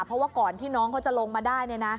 เพราะว่าก่อนที่น้องเขาจะลงมาได้